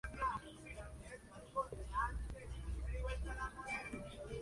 Fue un claro ganador en Liubliana ese mismo año.